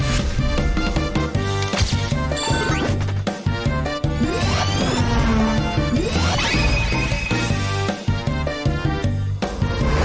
จอยก็รับ